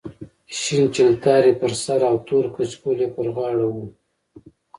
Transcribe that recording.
شین چلتار یې پر سر او تور کچکول یې پر غاړه و.